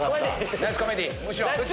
ナイスコメディー。